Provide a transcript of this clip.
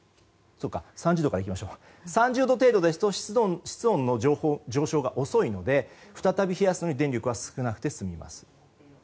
３０度程度ですと室温の上昇が遅いので再び冷やすのに電力が少なくて済みます。